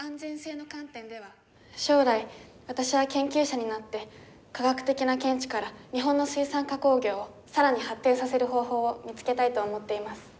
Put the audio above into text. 「将来私は研究者になって科学的な見地から日本の水産加工業を更に発展させる方法を見つけたいと思っています」。